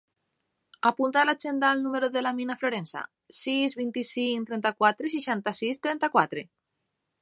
Apunta a l'agenda el número de l'Amina Florensa: sis, vint-i-cinc, trenta-quatre, seixanta-sis, trenta-quatre.